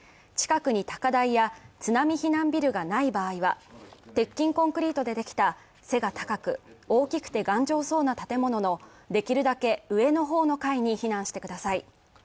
近くに高台や津波避難ビルがない場合は、鉄筋コンクリートでできた背が高く、大きくて頑丈そうな建物のできるだけ上の方の階に避難してください。